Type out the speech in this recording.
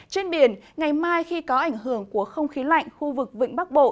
trên biển ngày mai khi có ảnh hưởng của không khí lạnh khu vực vịnh bắc bộ